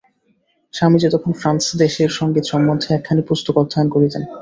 স্বামীজী তখন ফ্রান্স দেশের সঙ্গীত সম্বন্ধে একখানি পুস্তক অধ্যয়ন করিতেন।